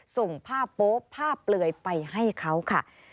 ส่งผ้าโป๊ผ้าเปลือยไปให้เขาค่ะ